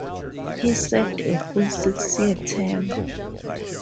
He served a full six-year term.